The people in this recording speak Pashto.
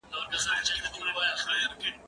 زه له سهاره سبا ته فکر کوم!.